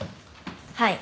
はい。